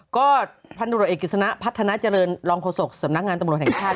ก็พันธุรกิจเอกกิจสนะพัฒนาเจริญรองโฆษกสำนักงานตำรวจแห่งชาติ